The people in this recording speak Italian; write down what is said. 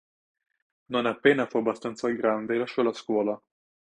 Non appena fu abbastanza grande lasciò la scuola.